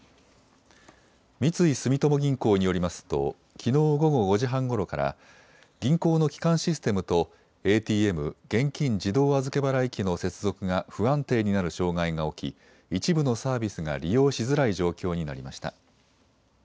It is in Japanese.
三井住友銀行によりますときのう午後５時半ごろから銀行の基幹システムとＡＴＭ・現金自動預け払い機の接続が不安定になる障害が起き一部のサービスが利用しづらい状況になりました。